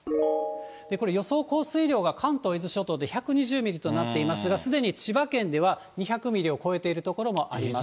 これ、予想降水量が関東、伊豆諸島で１２０ミリとなっていますが、すでに千葉県では２００ミリを超えている所もあります。